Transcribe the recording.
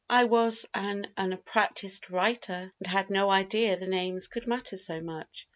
I was an unpractised writer and had no idea the names could matter so much.